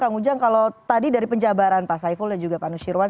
kang ujang kalau tadi dari penjabaran pak saiful dan juga pak nusirwan